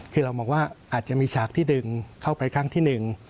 คือเรามองว่าอาจจะมีฉากที่ดึงเข้าไปครั้งที่หนึ่ง